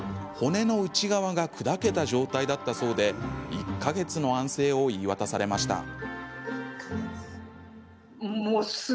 骨の内側が砕けた状態だったそうで１か月の安静を言い渡されました。